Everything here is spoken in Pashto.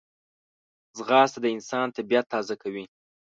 ځغاسته د انسان طبیعت تازه کوي